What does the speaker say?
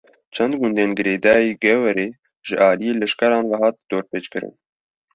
Çend gundên girêdayî Geverê, ji aliyê leşkeran ve hatin dorpêçkirin